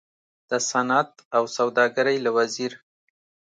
د صنعت او سوداګرۍ له وزیر